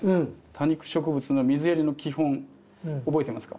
多肉植物の水やりの基本覚えてますか？